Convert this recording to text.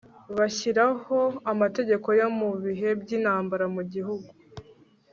bashyiraho amategeko yo mu bihe by intambara mu gihugu